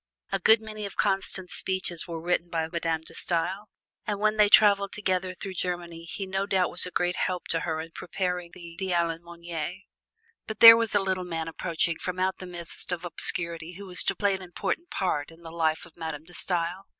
A good many of Constant's speeches were written by Madame De Stael, and when they traveled together through Germany he no doubt was a great help to her in preparing the "De l'Allemagne." But there was a little man approaching from out the mist of obscurity who was to play an important part in the life of Madame De Stael.